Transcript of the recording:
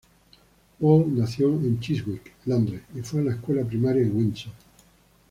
Wall nació en Chiswick, Londres y fue a la escuela primaria en Windsor.